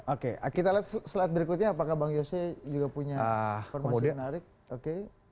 oke kita lihat slide berikutnya apakah bang yose juga punya informasi menarik oke